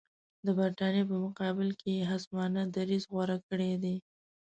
د برټانیې په مقابل کې یې خصمانه دریځ غوره کړی دی.